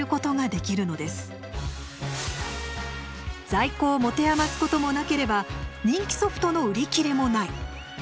在庫を持て余すこともなければ人気ソフトの「売り切れ」もない。